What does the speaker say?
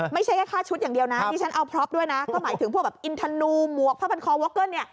ไม่ใช่แค่ค่าชุดอย่างเดียวนะดิฉันเอาพล็อปด้วยนะก็หมายถึงพวกแบบอินทนูหมวกผ้าพันคอวอคเกิ้ลเนี่ย